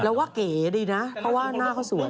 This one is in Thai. แล้วว่าเก๋ดีนะเพราะว่าหน้าเขาสวย